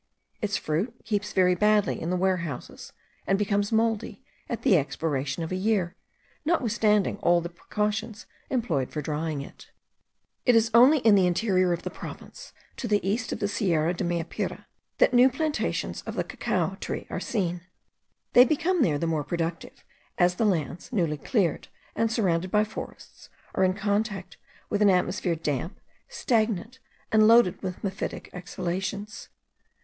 Its fruit keeps very badly in the warehouses, and becomes mouldy at the expiration of a year, notwithstanding all the precautions employed for drying it. It is only in the interior of the province, to the east of the Sierra de Meapire, that new plantations of the cacao tree are seen. They become there the more productive, as the lands, newly cleared and surrounded by forests, are in contact with an atmosphere damp, stagnant, and loaded with mephitic exhalations.